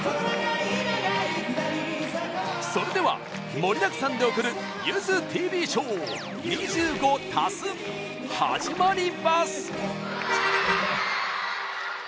それでは、盛りだくさんで送る「ゆずＴＶショウ２５＋ハジマリバス」。